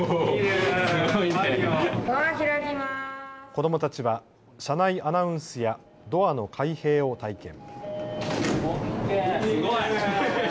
子どもたちは車内アナウンスやドアの開閉を体験。